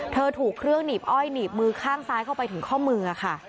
เธอถูกเครื่องหนีบอ้อยหนีบมือข้างซ้ายเข้าไปถึงข้อมือค่ะ